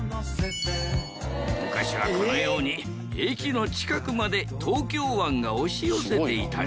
昔はこのように駅の近くまで東京湾が押し寄せていたんじゃ。